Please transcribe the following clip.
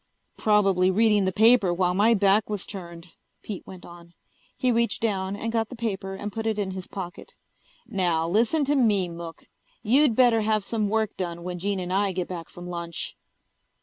"Probably reading the paper while my back was turned," Pete went on. He reached down and got the paper and put it in his pocket. "Now, listen to me, Mook. You'd better have some work done when Jean and I get back from lunch!"